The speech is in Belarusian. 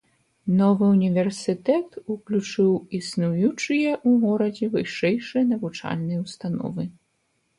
Новы ўніверсітэт уключыў існуючыя ў горадзе вышэйшыя навучальныя ўстановы.